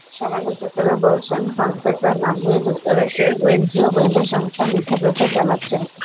সমালোচকেরা বলছেন, ফনসেকা নাম নিয়ে যুক্তরাষ্ট্রের কেন্দ্রীয় গোয়েন্দা সংস্থার মিথ্যা প্রচার চালাচ্ছে।